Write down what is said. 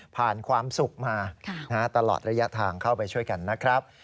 ความสุขมาตลอดระยะทางเข้าไปช่วยกันนะครับ